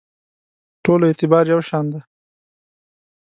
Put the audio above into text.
ټولو اعتبار یو شان دی.